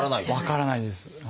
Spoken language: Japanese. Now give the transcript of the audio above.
分からないです。